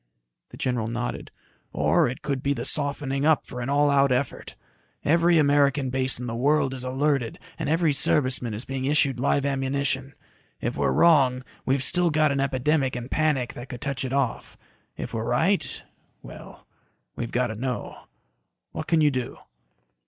The general nodded. "Or it could be the softening up for an all out effort. Every American base in the world is alerted and every serviceman is being issued live ammunition. If we're wrong, we've still got an epidemic and panic that could touch it off. If we're right ... well, we've got to know. What can you do?"